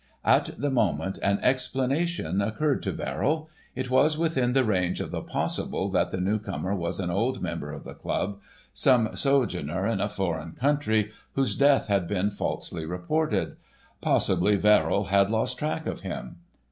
At the moment an explanation occurred to Verrill. It was within the range of the possible that the newcomer was an old member of the club, some sojourner in a foreign country, whose death had been falsely reported. Possibly Verrill had lost track of him.